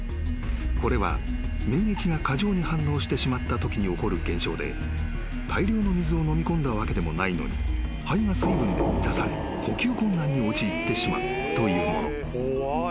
［これは免疫が過剰に反応してしまったときに起こる現象で大量の水を飲み込んだわけでもないのに肺が水分で満たされ呼吸困難に陥ってしまうというもの］